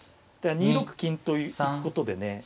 ２六金と行くことでね